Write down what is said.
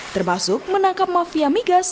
termasuk menangkap mafia migas